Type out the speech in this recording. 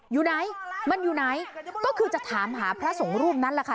อยู่ไหนมันอยู่ไหนก็คือจะถามหาพระสงฆ์รูปนั้นแหละค่ะ